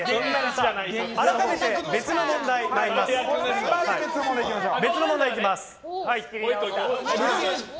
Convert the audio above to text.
改めて別の問題参ります。